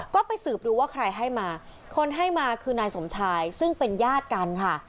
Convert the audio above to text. ก็ไปสืบดูว่าใครให้มาคนให้มาคือนายสมชายซึ่งเป็นญาติกันค่ะ